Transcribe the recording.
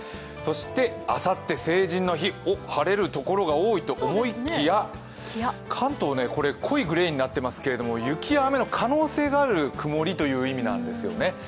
そして、あさって成人の日、晴れる所が多いと思いきや関東は濃いグレーになってますけど雪や雨の可能性がある曇りという意味なんですよね。